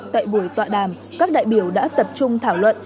tại buổi tọa đàm các đại biểu đã tập trung thảo luận